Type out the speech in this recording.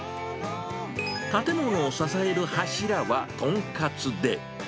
建物を支える柱はトンカツで。